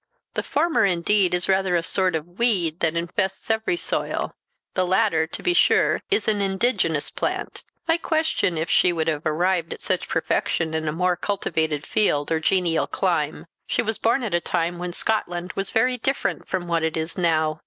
"The former, indeed, is rather a sort of weed that infests every soil; the latter, to be sure, is an indigenous plant. I question if she would have arrived at such perfection in a more cultivated field or genial clime. She was born at a time when Scotland was very different from what it is now.